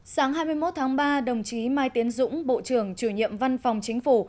sáng hai mươi một tháng ba đồng chí mai tiến dũng bộ trưởng chủ nhiệm văn phòng chính phủ